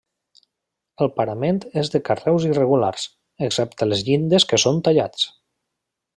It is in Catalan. El parament és de carreus irregulars, excepte a les llindes que són tallats.